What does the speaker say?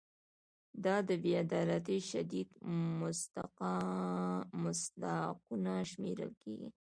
دا د بې عدالتۍ شدید مصداقونه شمېرل کیږي.